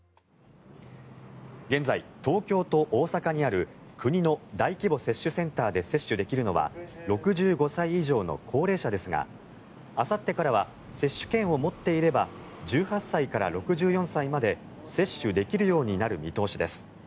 現在、東京と大阪にある国の大規模接種センターで接種できるのは６５歳以上の高齢者ですがあさってからは接種券を持っていれば１８歳から６４歳まで接種できるようになる見通しです。